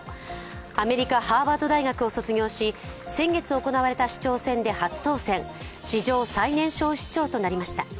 アメリカ・ハーバード大学を卒業し先月行われた市長選で初当選、史上最年少市長となりました。